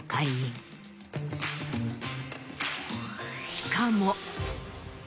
しかも。